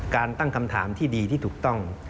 ตั้งคำถามที่ดีที่ถูกต้อง